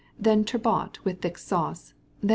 Then turbot with thick sauce, then